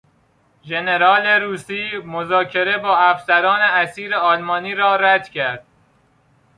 ژنرال روسی مذاکره با افسران اسیر آلمانی را رد کرد.